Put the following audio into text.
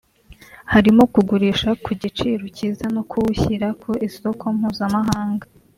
harimo kugurisha ku giciro cyiza no kuwushyira ku isoko mpuzamahanga